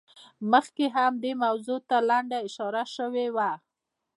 مخکې هم دې موضوع ته لنډه اشاره شوې وه.